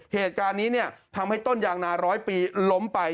เหตุการณ์นี้ทำให้ต้นยางนาร้อยปีล้มไป